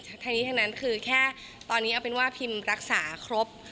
ทั้งนี้ทั้งนั้นคือแค่ตอนนี้เอาเป็นว่าพิมรักษาครบ